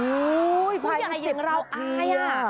อู่พายยังรอบดี